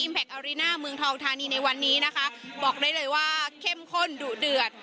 อาริน่าเมืองทองธานีในวันนี้นะคะบอกได้เลยว่าเข้มข้นดุเดือด